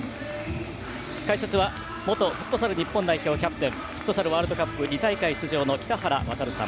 解説は元フットサル日本代表キャプテンフットサルワールドカップ２大会出場の北原亘さん。